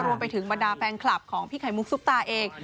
รวมไปถึงบรรดาแฟนคลับของพี่ไข่มุกซุปตาเอง